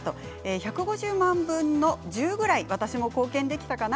１５０万分の１０ぐらい私も貢献できたかな。